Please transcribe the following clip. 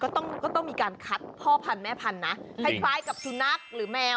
ก็ต้องก็ต้องมีการคัดพ่อพันธุ์แม่พันธุ์นะคล้ายกับสุนัขหรือแมว